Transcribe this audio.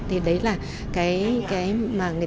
thì đấy là cái mà người ta có thể tìm được